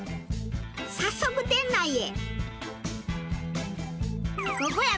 早速店内へ。